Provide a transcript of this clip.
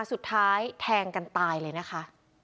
สุดท้ายแทงกันตายเลยนะคะ